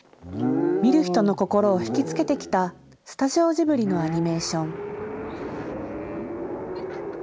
見る人の心を引きつけてきたスタジオジブリのアニメーション。